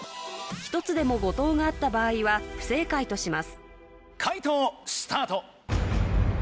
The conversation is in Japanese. １つでも誤答があった場合は不正解とします解答スタート。